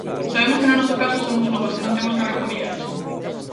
Sabemos que no noso caso somos novas e non temos cargas familiares.